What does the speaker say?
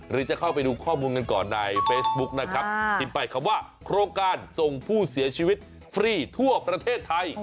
หรือจะเข้าไปดูข้อมูลกันก่อนในเฟซบุ๊คนะครับพิมพ์ไปคำว่าโครงการส่งผู้เสียชีวิตฟรีทั่วประเทศไทย